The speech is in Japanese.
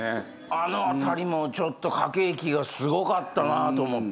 あの辺りもちょっと駆け引きがすごかったなと思って。